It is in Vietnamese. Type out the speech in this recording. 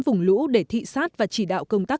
vùng lũ để thị sát và chỉ đạo công tác